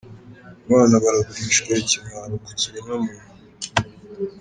Abana baragurishwa? Ikimwaro ku kiremwa muntu.